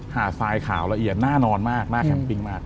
หาดทรายขาวละเอียดน่านอนมากหน้าแคมปิ้งมาก